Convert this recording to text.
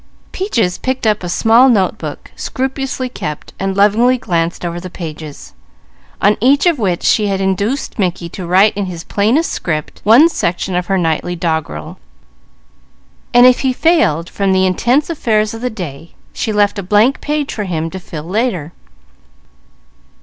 Peaches picked up a small notebook, scrupulously kept, and lovingly glanced over the pages, on each of which she had induced Mickey to write in his plainest script one section of her nightly doggerel; and if he failed from the intense affairs of the day, she left a blank page for him to fill later.